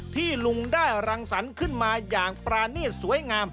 ที่ลุงได้รังสรรค์ขึ้นมาอย่างปรานีตสวยงาม